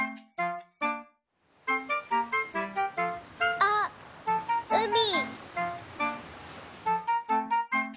あっうみ！